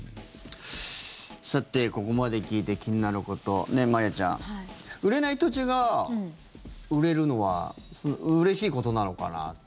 さて、ここまで聞いて気になること、まりあちゃん。売れない土地が売れるのはうれしいことなのかなって。